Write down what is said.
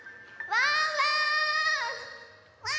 ワンワン！